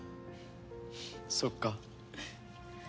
そっか。